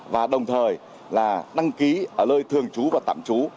và đồng thời là đăng ký ở lơi thường trú và tạm trú